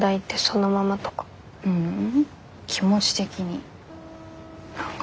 ううん気持ち的に何か